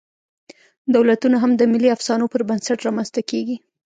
دولتونه هم د ملي افسانو پر بنسټ رامنځ ته کېږي.